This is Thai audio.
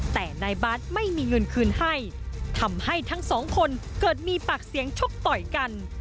แต่นายบาทไม่มีเงินคืนให้ทำให้ทั้งสองคนเกิดมีปากเสียงชกต่อยกัน